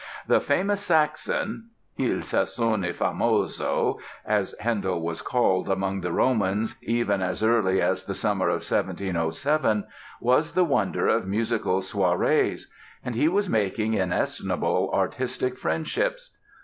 "The famous Saxon" ("Il Sassone famoso"), as Handel was called among the Romans even as early as the summer of 1707, was the wonder of musical soirees. And he was making inestimable artistic friendships.